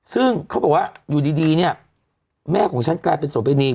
ซึ่งเขาบอกว่าอยู่ดีเนี่ยแม่ของฉันกลายเป็นโสเพณี